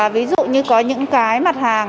ví dụ như có những cái mặt hàng